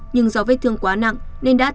nhưng do vết thương quá nặng nên đã bị bắt